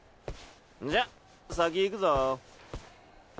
じゃ先行くぞ。